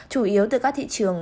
chủ yếu từ các thị trường